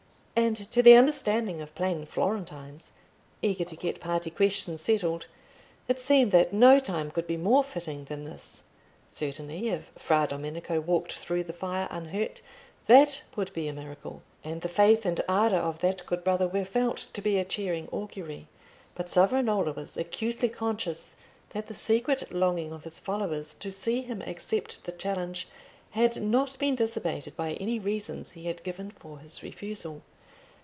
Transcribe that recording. And to the understanding of plain Florentines, eager to get party questions settled, it seemed that no time could be more fitting than this. Certainly, if Fra Domenico walked through the fire unhurt, that would be a miracle, and the faith and ardour of that good brother were felt to be a cheering augury; but Savonarola was acutely conscious that the secret longing of his followers to see him accept the challenge had not been dissipated by any reasons he had given for his refusal.